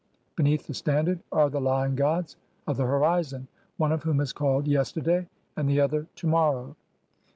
Beneath the standard are the lion gods of the horizon, one of whom is called "Yesterday" and the other "To morrow".